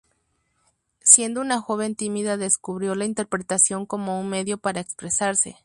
Siendo una joven tímida, descubrió la interpretación como un medio para expresarse.